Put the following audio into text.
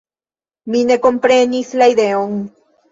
Mi ne komprenis la ideon.